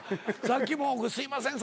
さっきもすいません